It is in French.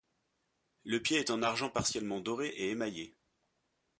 Le pied est en argent partiellement doré et émaillé.